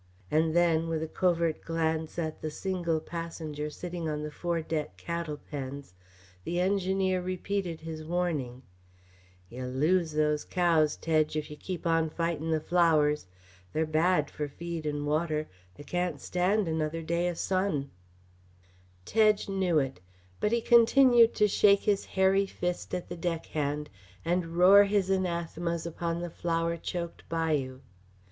And then, with a covert glance at the single passenger sitting on the fore deck cattle pens, the engineman repeated his warning, "Yeh'll lose the cows, Tedge, if you keep on fightin' the flowers. They're bad f'r feed and water they can't stand another day o' sun!" Tedge knew it. But he continued to shake his hairy fist at the deckhand and roar his anathemas upon the flower choked bayou.